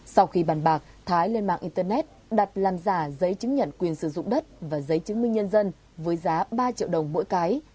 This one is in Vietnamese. sau khi bàn bạc thái lên mạng internet đặt làm giả giấy chứng nhận quyền sử dụng đất và giấy chứng minh nhân dân với giá ba triệu đồng mỗi cái